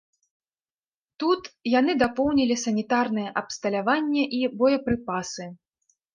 Тут яны дапоўнілі санітарнае абсталяванне і боепрыпасы.